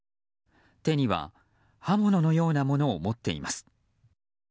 手には刃物のようなものを持っています。